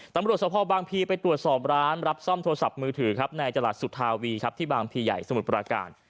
ตำรวจสภบางพีไปตรวจสอบร้านรับซ่อมโทรศัพท์มือถือครับในตลาดสุธาวีครับที่บางพีใหญ่สมุทรปราการ